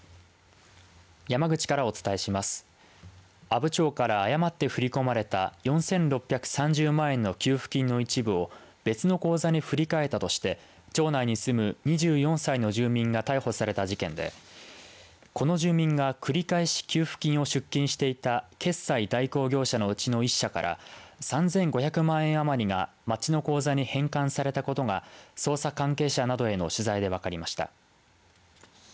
阿武町から誤って振り込まれた４６３０万円の給付金の一部を別の口座に振り替えたとして町内に住む２４歳の住民が逮捕された事件でこの住民が繰り返し給付金を出金していた決済代行業者のうちの１社から３５００万円余りが町の口座に返還されたことが捜査関係者などへの取材で分かりました。